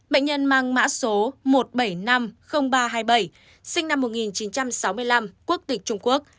bệnh nhân mang mã số một triệu bảy trăm năm mươi nghìn ba trăm hai mươi bảy sinh năm một nghìn chín trăm sáu mươi năm quốc tịch trung quốc